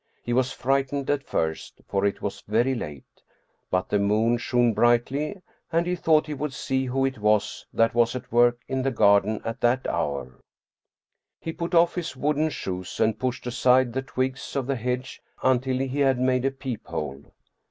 He was frightened at first for it was very late, but the moon shone brightly and he thought he would see who it was that was at work in the garden at that hour. He 286 Steen Steensen Blither put off his wooden shoes and pushed aside the twigs of the hedge until he had made a peep hole.